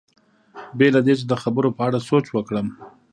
بې له دې چې د خبرو په اړه سوچ وکړم.